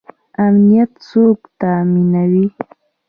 امنیت څوک تامینوي؟